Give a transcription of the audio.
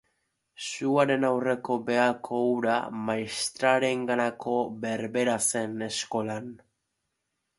Suaren aurreko behako hura maistrarenganako berbera zen, eskolan.